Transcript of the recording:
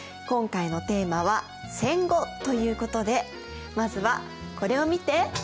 今回のテーマは戦後ということでまずはこれを見て！